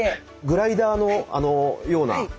グライダーのような。